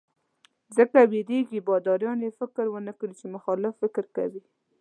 ځکه وېرېږي باداران یې فکر ونکړي چې مخالف فکر کوي.